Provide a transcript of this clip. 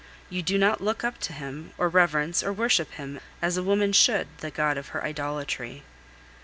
You do not look up to him, or reverence, or worship him as a woman should the god of her idolatry.